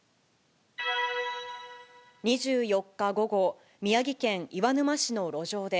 ２４日午後、宮城県岩沼市の路上で、